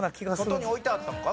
外に置いてあったんか？